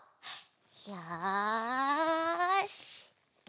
よし！